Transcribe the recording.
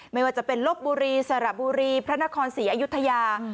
ไม่ว่าจะเป็นลบบุรีสระบุรีพระนครศรีอยุธยา